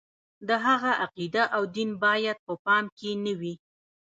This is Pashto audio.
د هغه عقیده او دین باید په پام کې نه وي.